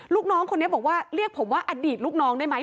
ลูกน้องคนนี้บอกว่าเรียกผมว่าอดีตลูกน้องได้ไหม